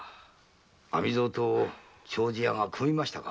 網蔵と丁字屋が組みましたか。